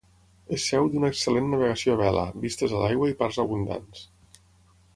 És seu d'una excel·lent navegació a vela, vistes a l'aigua i parcs abundants.